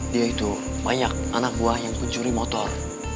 dia itu banyak anak buah yang pencuri motor